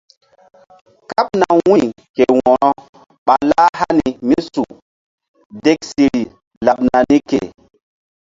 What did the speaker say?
Kaɓna wu̧y ke wo̧ro ɓa lah hani mí su deksiri laɓ nani ke.